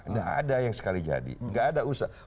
nggak ada yang sekali jadi nggak ada usaha